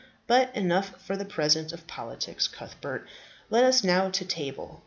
But enough for the present of politics, Cuthbert; let us now to table.